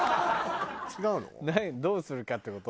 どうするかって事？